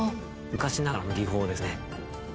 昔ながらの技法ですね。